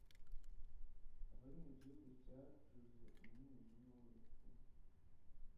abari mu gihugu cyacuze umwijima w’urupfu